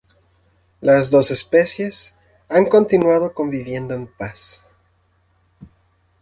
Las dos especies han continuado conviviendo en paz.